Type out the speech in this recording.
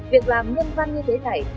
việc làm nhân văn như thế này